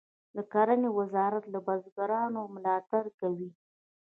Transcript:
د کرنې وزارت له بزګرانو ملاتړ کوي